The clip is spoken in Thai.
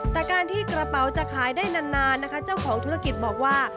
แต่การที่กระเป๋าจะขายได้นานนะคะเจ้าของธุรกิจบอกว่า